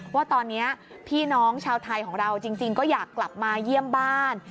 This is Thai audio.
ว่าตอนนี้พี่น้องชาวไทยของเราจริงก็อยากกลับมาเยี่ยมบ้าน